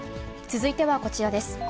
続いてはこちらです。